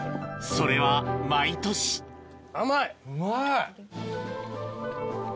それは毎年甘い。